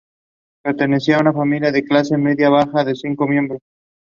The Yushan weather station is located on the north peak of Yu Shan.